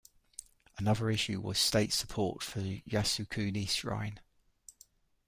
Another issue was state support for the Yasukuni Shrine.